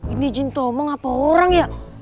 ini jin tomeng apa orang ya